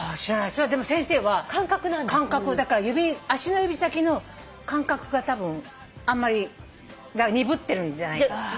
それはでも先生は感覚だから足の指先の感覚がたぶん鈍ってるんじゃ。